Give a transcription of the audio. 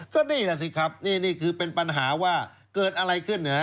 ก็นี่แหละสิครับนี่คือเป็นปัญหาว่าเกิดอะไรขึ้น